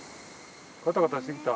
ガタガタしてきた？